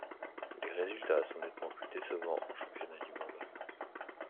Les résultats sont nettement plus décevants en championnat du monde.